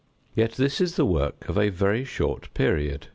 Yet this is the work of a very short period.